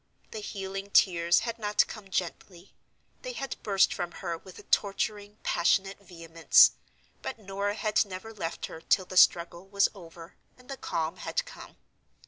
The healing tears had not come gently; they had burst from her with a torturing, passionate vehemence—but Norah had never left her till the struggle was over, and the calm had come.